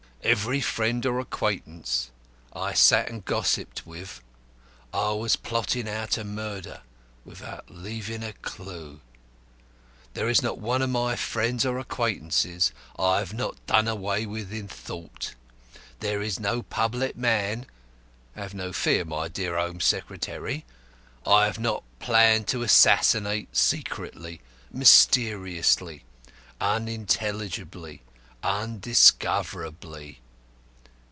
Every friend or acquaintance I sat and gossiped with, I was plotting how to murder without leaving a clue. There is not one of my friends or acquaintances I have not done away with in thought. There is no public man have no fear, my dear Home Secretary I have not planned to assassinate secretly, mysteriously, unintelligibly, undiscoverably.